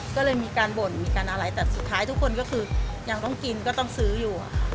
ก็เลยมีการบ่นมีการอะไรแต่สุดท้ายทุกคนก็คือยังต้องกินก็ต้องซื้ออยู่